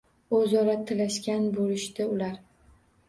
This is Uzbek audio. O’zaro tillashgan bo’lishdi ular.